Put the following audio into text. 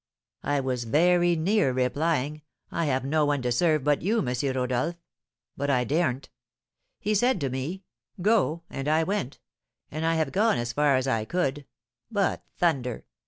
I was very nearly replying, 'I have no one to serve but you, M. Rodolph,' but I daredn't. He said to me, 'Go,' and I went, and have gone as far as I could; but, thunder!